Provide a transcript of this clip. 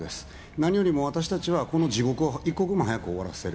何よりも私たちは、この地獄を一刻も早く終わらせる。